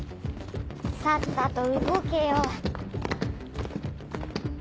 さっさと動けよ。